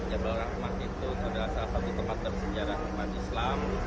jabal rahman itu adalah salah satu tempat bersejarah umat islam